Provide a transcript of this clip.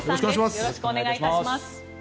よろしくお願いします。